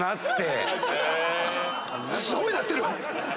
・すごい鳴ってる！